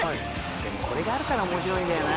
でもこれがあるから面白いんだよな。